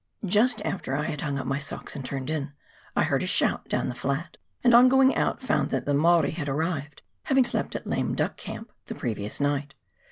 Just after I had hung up my socks and turned in, I heard a shout down the flat, and on going out, found that the ]Maori had arrived, having slept at Lame Duck Camp the previous night.